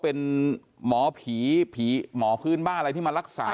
เป็นหมอผีผีหมอพื้นบ้านอะไรที่มารักษา